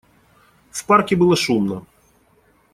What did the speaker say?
В парке было шумно.